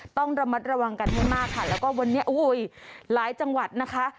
ต้องระมัดระวังกันให้มากค่ะแล้วก็วันนี้อุ้ยหลายจังหวัดนะคะ